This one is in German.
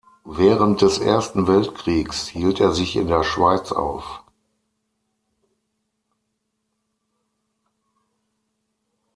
Während des Ersten Weltkriegs hielt er sich in der Schweiz auf.